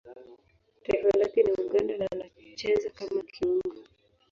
Taifa lake ni Uganda na anacheza kama kiungo.